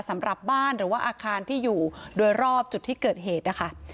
สำหรับบ้านหรือว่าอาคารที่อยู่โดยรอบจุดที่เกิดเหตุนะคะ